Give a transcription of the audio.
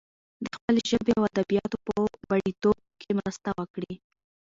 د خپلې ژبې او ادبياتو په بډايتوب کې مرسته وکړي.